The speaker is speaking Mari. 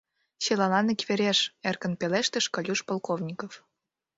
— Чылалан иквереш... — эркын пелештыш Колюш Полковников.